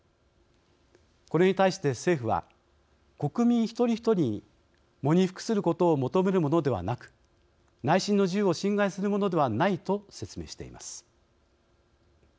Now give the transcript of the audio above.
これに対して、政府は国民一人一人に喪に服することを求めるものではなく内心の自由を侵害するものではないと説明しています。